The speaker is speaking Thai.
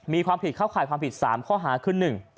มีความผิดเข้าข่ายความผิด๓ข้อหาคือ๑